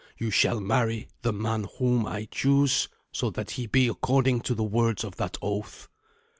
You shall marry the man whom I choose, so that he be according to the words of that oath."